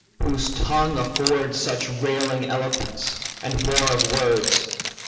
whose tongue affords Such railing eloquence, and war of words.